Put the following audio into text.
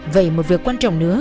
vậy một việc quan trọng nữa